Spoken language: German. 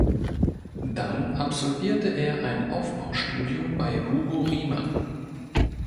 Dann absolvierte er ein Aufbaustudium bei Hugo Riemann.